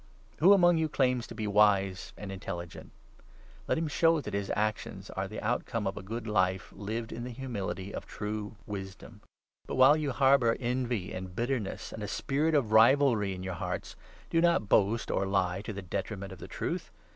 Against Who among you claims to be wise and intelli 13 raise gent ? Let him show that his actions are the out >m' come of a good life lived in the humility of true wisdom. But, while you harbour envy and bitterness and a spirit 14 of rivalry in your hearts, do not boast or lie to the detriment of the Truth.